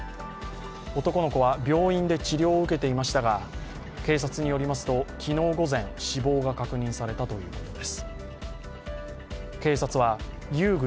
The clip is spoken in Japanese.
男の子は病院で治療を受けていましたが、警察によりますと昨日午前、死亡が確認されたということです。